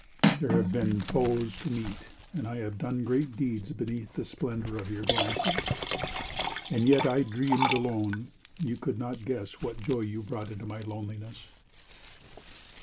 There have been foes to meet, and I have done Great deeds beneath the splendor of your glances.... And yet I dreamed alone; you could not guess What joy you brought into my loneliness.